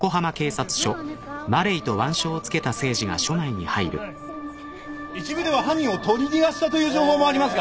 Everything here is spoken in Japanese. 一部では犯人を取り逃がしたという情報もありますが。